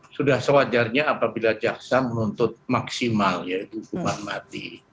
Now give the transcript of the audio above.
sudah sewajarnya apabila jaksa menuntut maksimal yaitu hukuman mati